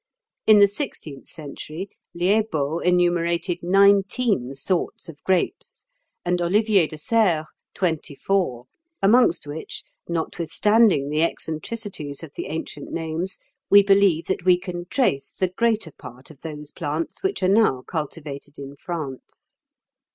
In the sixteenth century, Liébault enumerated nineteen sorts of grapes, and Olivier de Serres twenty four, amongst which, notwithstanding the eccentricities of the ancient names, we believe that we can trace the greater part of those plants which are now cultivated in France.